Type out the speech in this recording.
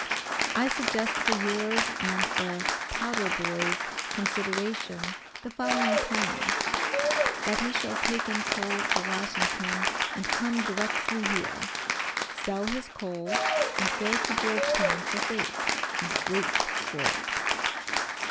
I suggest for yours and the "powder boy's" consideration the following plan: that he shall take in coal for Washington and come directly here sell his coal and go to Georgetown for freight, and wait for it.